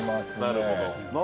なるほど。